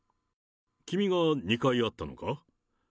君が２回会ったのか？